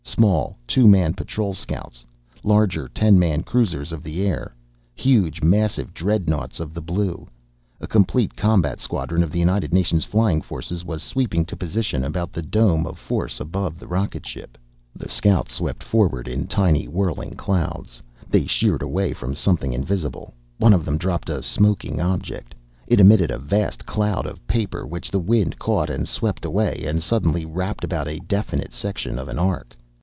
Small, two man patrol scouts. Larger, ten man cruisers of the air. Huge, massive dreadnaughts of the blue. A complete combat squadron of the United Nations Fighting Forces was sweeping to position about the dome of force above the rocket ship. The scouts swept forward in a tiny, whirling cloud. They sheered away from something invisible. One of them dropped a smoking object. It emitted a vast cloud of paper, which the wind caught and swept away, and suddenly wrapped about a definite section of an arc.